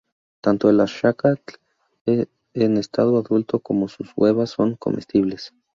Tanto el axayácatl en estado adulto como sus huevas son comestibles.